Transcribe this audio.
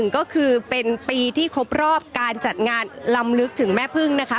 ก็คือเป็นปีที่ครบรอบการจัดงานลำลึกถึงแม่พึ่งนะคะ